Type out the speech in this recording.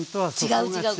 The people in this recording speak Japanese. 違う違う。